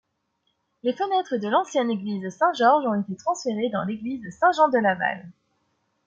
Les fenêtres de l'ancienne église Saint-Georges ont été transférées dans l'église Saint-Jean de Laval.